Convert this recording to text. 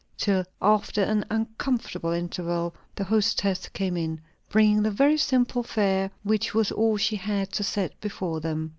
Till, after an uncomfortable interval, the hostess came in, bringing the very simple fare, which was all she had to set before them.